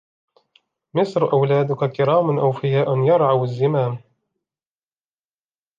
مصر أولادك كرام أوفياء يرعوا الزمام